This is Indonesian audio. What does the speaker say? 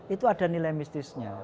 itu ada nilai mistisnya